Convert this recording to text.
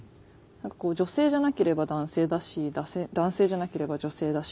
女性じゃなければ男性だし男性じゃなければ女性だし。